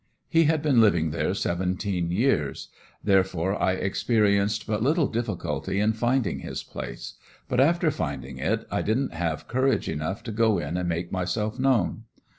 He had been living there seventeen years, therefore I experienced but little difficulty in finding his place; but after finding it I didn't have courage enough to go in and make myself known.